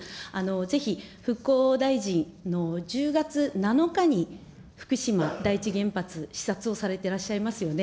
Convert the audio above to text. ぜひ復興大臣、１０月７日に福島第一原発、視察をされていらっしゃいますよね。